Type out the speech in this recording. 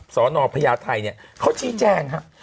สนพญาไทยเนี่ยเขาชี้แจงครับ